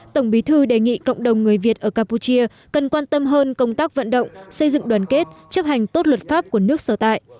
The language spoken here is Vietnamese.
tổng bí thư đề nghị cộng đồng người việt ở campuchia cần quan tâm hơn công tác vận động xây dựng đoàn kết chấp hành tốt luật pháp của nước sở tại